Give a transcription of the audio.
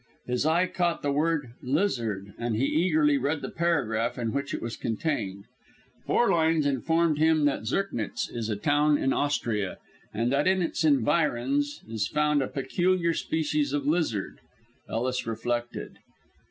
His eye caught the word "lizard," and he eagerly read the paragraph in which it was contained. Four lines informed him that "Zirknitz is a town in Austria, and that in its environs is found a peculiar species of lizard." Ellis reflected.